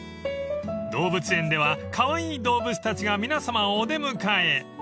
［動物園ではカワイイ動物たちが皆さまをお出迎え］